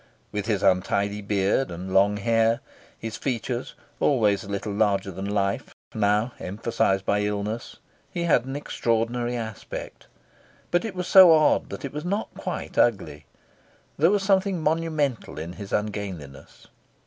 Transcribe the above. With his untidy beard and long hair, his features, always a little larger than life, now emphasised by illness, he had an extraordinary aspect; but it was so odd that it was not quite ugly. There was something monumental in his ungainliness.